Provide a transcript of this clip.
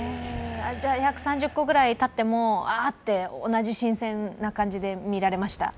約１３０個ぐらいたっても、同じ、新鮮な感じで見られましたか？